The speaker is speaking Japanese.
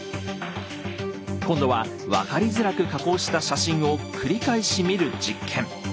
今度は分かりづらく加工した写真を繰り返し見る実験。